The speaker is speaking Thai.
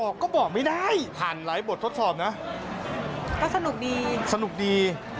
ก็สนุกดี